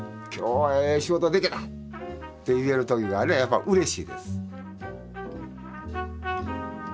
今日はええ仕事でけた！って言える時がやっぱうれしいです。